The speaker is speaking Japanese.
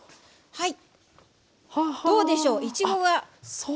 はい。